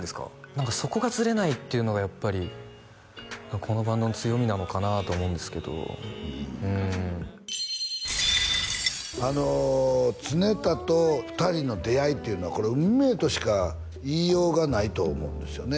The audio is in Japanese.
何かそこがズレないっていうのがやっぱりこのバンドの強みなのかなと思うんですけどうん常田と２人の出会いっていうのはこれ運命としか言いようがないと思うんですよね